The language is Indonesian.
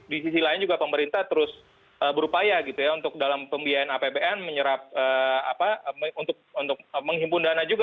di sisi lain juga pemerintah terus berupaya gitu ya untuk dalam pembiayaan apbn menyerap apa untuk menghimpun dana juga